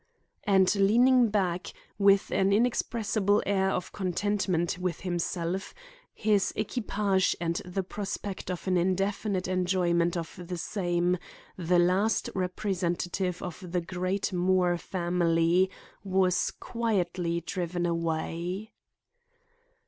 And leaning back, with an inexpressible air of contentment with himself, his equipage and the prospect of an indefinite enjoyment of the same, the last representative of the great Moore family was quietly driven away.